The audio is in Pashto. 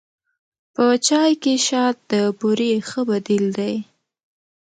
په چای کې شات د بوري ښه بدیل دی.